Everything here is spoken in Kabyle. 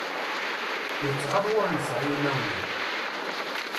Yettɣaḍ w'ur nesɛi imawlan.